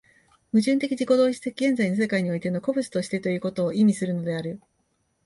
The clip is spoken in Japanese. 矛盾的自己同一的現在の世界においての個物としてということを意味するのである。